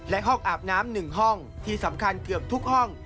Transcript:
และห้องอาบน้ำ๑ห้องที่สำคัญเกือบทุกห้อง